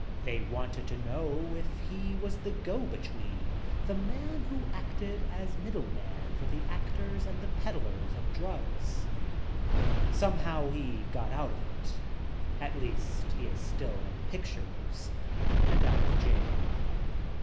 They wanted to know if he was the go between — the man who acted as middleman for the actors and the ped DOPE! 15 dlars of drugs. Somehow he got out of it. At least, he is still in pictures and out of jail.